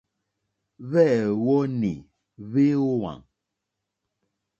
Hwɛ̂wɔ́nì hwé ówàŋ.